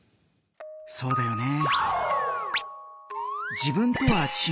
そうだよね。